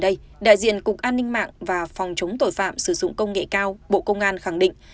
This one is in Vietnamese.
tại đây đại diện cục an ninh mạng và phòng chống tội phạm sử dụng công nghệ cao bộ công an khẳng định